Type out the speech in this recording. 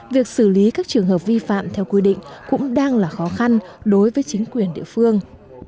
việc xử lý các trường hợp vi phạm theo quy định cũng đang là khó khăn đối với chính quyền địa phương